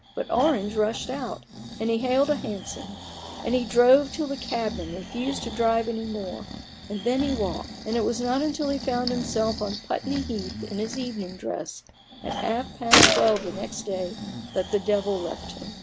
But Orange rushed out, and he hailed a THE BARGAIN OF RUPERT ORANGE. 39 hansom, and he drove till the cabman refused to drive any more ; and then he walked ; and it was not till he found himself on Putney Heath in his evening dress, at half past twelve the next day, that the devil left him.